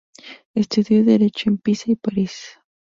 Estudio derecho en Pisa y París.